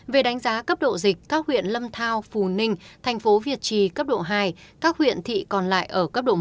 về đánh giá cấp độ dịch các huyện lâm thao phù ninh thành phố việt trì cấp độ hai các huyện thị còn lại ở cấp độ một